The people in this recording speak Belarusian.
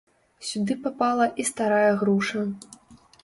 Сюды папала і старая груша.